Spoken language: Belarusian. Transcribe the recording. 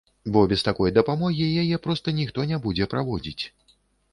Бо без такой дапамогі яе проста ніхто не будзе праводзіць.